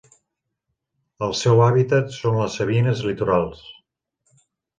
El seu hàbitat són les sabines litorals.